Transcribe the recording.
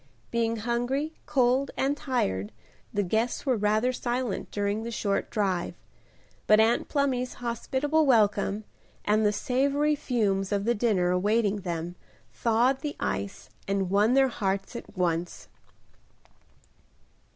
Being hungry, cold and tired, the guests were rather silent during the short drive, but Aunt Plumy's hospitable welcome, and the savory fumes of the dinner awaiting them, thawed the ice and won their hearts at once.